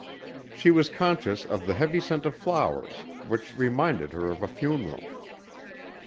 She was conscious of the heavy scent of flowers which reminded her of a funeral....